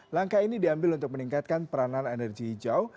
langkah ini diambil untuk meningkatkan peranan energi hijau